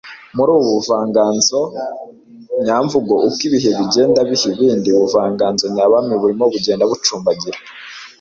muri ubu buvanganzo nyamvugo, uko ibihe bijyenda biha ibindi ubuvanganzo nyabami burimo bugenda bucumbagira